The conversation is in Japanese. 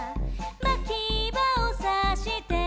「まきばをさして」